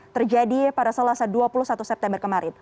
terjadi pada selasa dua puluh satu september kemarin